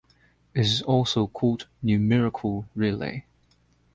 It is also called numerical relay.